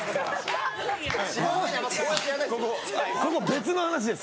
ここ別の話です。